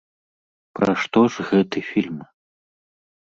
Пра што ж гэты фільм?